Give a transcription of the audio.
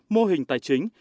mô hình tài chính